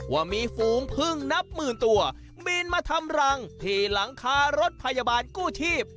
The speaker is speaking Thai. ว่ามีฝูงพึ่งนับหมื่นตัวบินมาทำรังที่หลังคารถพยาบาลกู้ชีพ